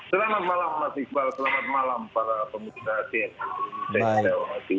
selamat malam mas iqbal selamat malam para pemutus asin